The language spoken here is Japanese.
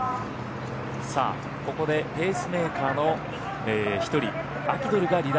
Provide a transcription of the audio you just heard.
ここでペースメーカーの１人アキドルが離脱。